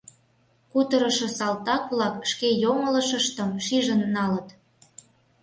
Кутырышо салтак-влак шке йоҥылышыштым шижын налыт.